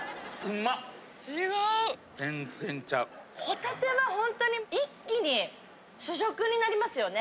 ・全然ちゃう・ホタテがホントに一気に主食になりますよね。